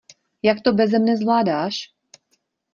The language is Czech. Jak to beze mne zvládáš?